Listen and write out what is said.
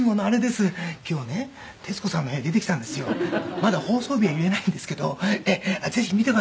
「まだ放送日は言えないんですけどぜひ見てください。